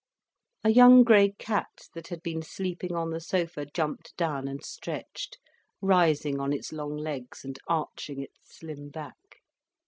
A young grey cat that had been sleeping on the sofa jumped down and stretched, rising on its long legs, and arching its slim back.